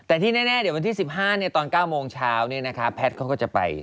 แต่ที่แน่เดี๋ยววันที่๑๕ตอน๙โมงเช้าแพทย์เขาก็จะไป